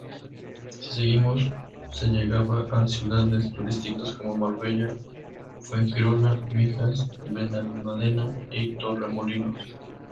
Si seguimos se llegaba a ciudades turísticas como Marbella, Fuengirola, Mijas, Benalmádena y Torremolinos.